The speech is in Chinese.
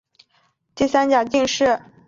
董文驹为乾隆三十一年丙戌科三甲进士。